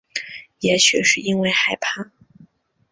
也许是因为害怕